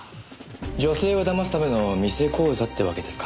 女性を騙すための偽口座ってわけですか。